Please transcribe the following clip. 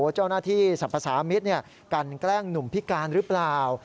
เจ้าหน้าที่สรรพสามิตรกันแกล้งหนุ่มพิการหรือเปล่า